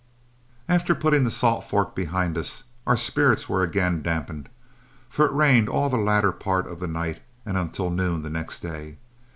After putting the Salt Fork behind us, our spirits were again dampened, for it rained all the latter part of the night and until noon the next day.